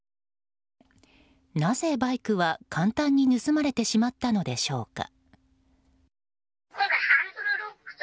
なぜ、バイクは簡単に盗まれてしまったのでしょうか。